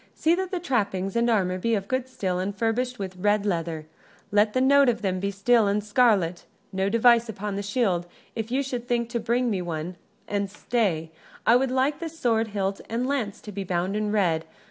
"See that the trappings and armor be of good steel and furbished with red leather: let the note of them be steel and scarlet. No device upon the shield, if you should think to bring me one; and stay, I would like the sword hilt and the lance to be bound in red.